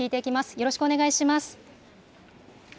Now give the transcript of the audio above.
よろしくお願いします。